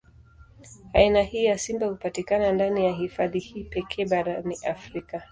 Aina hii ya simba hupatikana ndani ya hifadhi hii pekee barani Afrika.